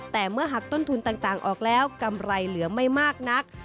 แต่เมื่อหักต้นทุนต่างออกแล้วกำไรเหลือไม่มากนัก